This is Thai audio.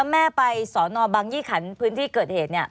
ในสอนอบังยี่ขันพื้นที่เกิดเหตุเนี่ย